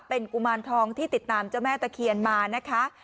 เป็นกุมารทองที่ติดตามเจ้าแม่ตะเคียนมานะคะ